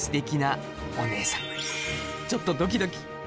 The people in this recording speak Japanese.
ちょっとドキドキ！